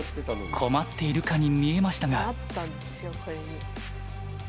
困っているかに見えましたが。